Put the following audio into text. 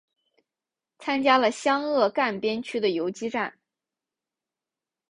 参加了湘鄂赣边区的游击战。